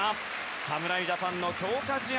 侍ジャパンの強化試合